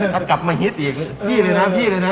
ถ้ากลับมาฮิตอีกพี่เลยนะพี่เลยนะ